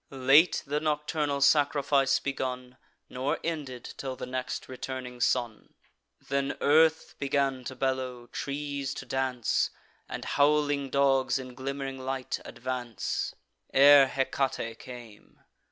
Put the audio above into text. Late the nocturnal sacrifice begun, Nor ended till the next returning sun. Then earth began to bellow, trees to dance, And howling dogs in glimm'ring light advance, Ere Hecate came.